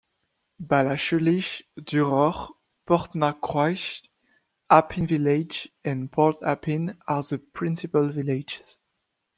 Ballachulish, Duror, Portnacroish, Appin Village and Port Appin are the principal villages.